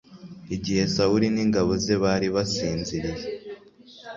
Igihe Sawuli n ingabo ze bari basinziriye